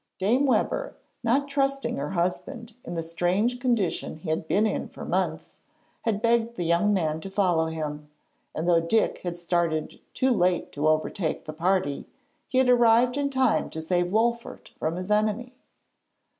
Dame Webber, not trusting her husband in the strange condition he had been in for months, had begged the young man to follow him, and though Dick had started too late to overtake the party, he had arrived in time to save Wolfert from his enemy.